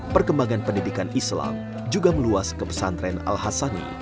perkembangan pendidikan islam juga meluas ke pesantren al hasani